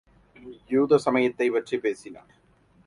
யூத சமயத்தைப் பற்றிப் பேசினார்.